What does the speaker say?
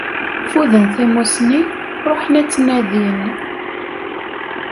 Fuden tamussni, ruḥen ad tt-nadin.